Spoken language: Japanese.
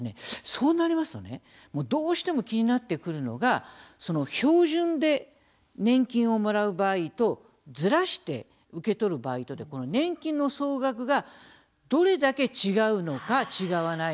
そうなりますとねどうしても気になってくるのが標準で年金をもらう場合とずらして受け取る場合とで年金の総額がどれだけ違うのか、違わないのか。